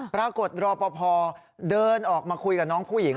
ปรากฏรอปภเดินออกมาคุยกับน้องผู้หญิง